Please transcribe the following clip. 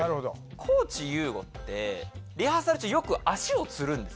地優吾ってリハーサル中よく足をつるんですよ。